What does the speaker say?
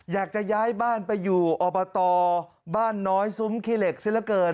อยากจะย้ายบ้านไปอยู่อบตบ้านน้อยซุ้มขี้เหล็กซะละเกิน